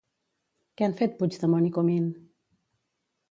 Què han fet Puigdemont i Comín?